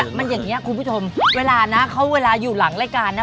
มันอย่างนี้คุณผู้ชมเวลานะเขาเวลาอยู่หลังรายการนะ